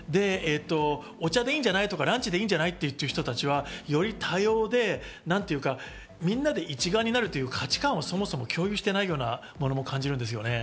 お茶でいいんじゃないとか、ランチでいいんじゃないって人たちはより多様で、みんなに一丸になるという価値感を共有していないように感じるんですね。